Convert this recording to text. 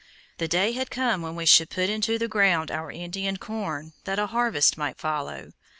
The day had come when we should put into the ground our Indian corn that a harvest might follow.